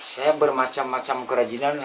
saya bermacam macam kerajinan